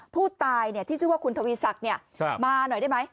ผู้ตายที่ชื่อว่าคุณทวีศักดิ์มาหน่อยได้ไหม